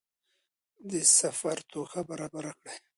د سفر توښه برابره کړئ.